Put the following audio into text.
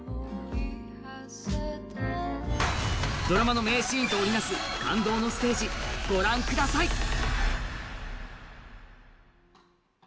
ドラマの名シーンと織り成す感動のステージ、ご覧ください。